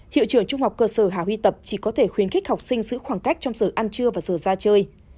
hiệu trưởng trung học cơ sở hà huy tập chỉ có thể khuyến khích học sinh giữ khoảng cách trong giờ ăn trưa và giờ ra chơi